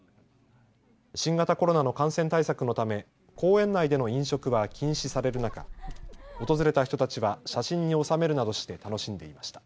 新型コロナの感染対策のため公園内での飲食は禁止される中、訪れた人たちは写真に収めるなどして楽しんでいました。